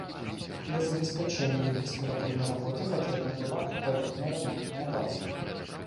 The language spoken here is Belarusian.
Для забеспячэння яе бесперабойнай работы патрэбна была адпаведная рамонтная база.